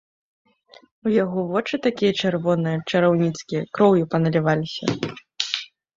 У яго вочы такія чырвоныя, чараўніцкія, кроўю паналіваліся.